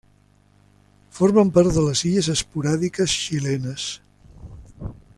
Formen part de les illes esporàdiques xilenes.